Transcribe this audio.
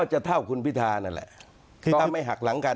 จะเท่าคุณพิธานั่นแหละที่ถ้าไม่หักหลังกัน